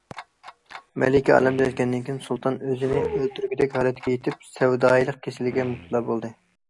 مەلىكە ئالەمدىن ئۆتكەندىن كېيىن، سۇلتان ئۆزىنى ئۆلتۈرگۈدەك ھالەتكە يېتىپ، سەۋدايىلىق كېسىلىگە مۇپتىلا بولدى.